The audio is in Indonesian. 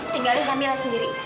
tinggalin kamila sendiri